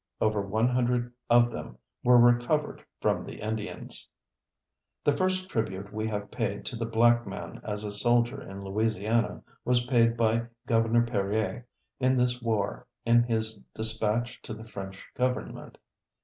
Over one hundred of them were recovered from the Indians. The first tribute we have paid to the black man as a soldier in Louisiana was paid by Gov. Perier in this war in his dispatch to the French government.